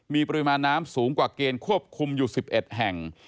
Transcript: มีปริมาณน้ำสูงกว่าเกณฑ์ควบคุมอยู่๑๑แห่ง